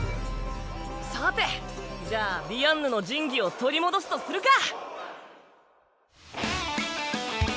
さてじゃあディアンヌの神器を取り戻すとするか！